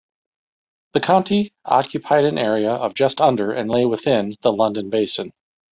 The county occupied an area of just under and lay within the London Basin.